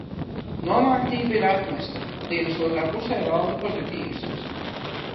Nomāktība ir atmesta. Dienas otrā pusē valda pozitīvisms.